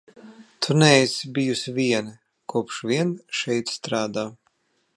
Tu neesi bijusi viena, kopš vien šeit strādā.